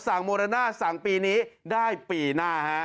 สั่งโมเดนาสั่งปีนี้ได้ปีหน้า